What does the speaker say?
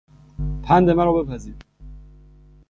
پند مرا بپذیر!